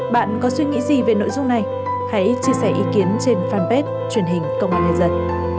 bạn có suy nghĩ gì về nội dung này hãy chia sẻ ý kiến trên fanpage truyền hình công an nhân dân